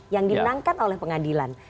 yang dibenangkan oleh pengadilan